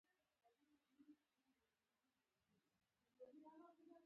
هغه د تېرېدلو توان نه لري.